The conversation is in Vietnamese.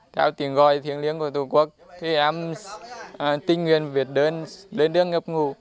theo tiếng gọi tiếng liếng của tổ quốc em tình nguyện viết đơn lên đường nhập ngũ